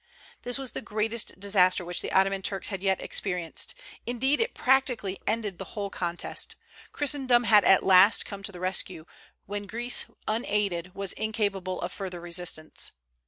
This was the greatest disaster which the Ottoman Turks had yet experienced; indeed, it practically ended the whole contest. Christendom at last had come to the rescue, when Greece unaided was incapable of further resistance.